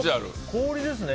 氷ですね。